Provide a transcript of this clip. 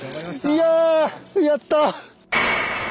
いややった！